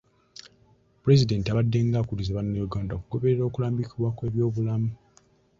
Pulezidenti abaddenga akubiriza bannayuganda okugoberera okulambikibwa kw'ebyobulamu.